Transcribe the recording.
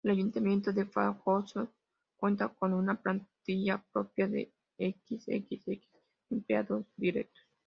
El Ayuntamiento de Badajoz cuenta con una plantilla propia de xxxx empleados directos.